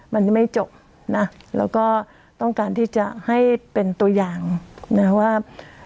มันยังไม่จบนะแล้วก็ต้องการที่จะให้เป็นตัวอย่างนะว่า